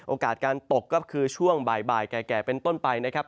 โอกาสการตกก็คือช่วงบ่ายแก่เป็นต้นไปนะครับ